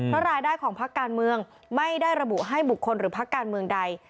เพราะรายได้ของพักการเมืองไม่ได้ระบุให้บุคคลหรือพักการเมืองใด